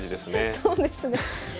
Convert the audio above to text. そうですね。